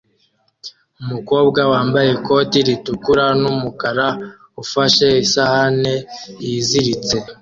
Umukobwa wambaye ikoti ritukura numukara ufashe isahani yiziritse